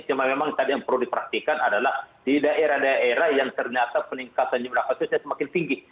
cuma memang tadi yang perlu dipraktikan adalah di daerah daerah yang ternyata peningkatan jumlah kasusnya semakin tinggi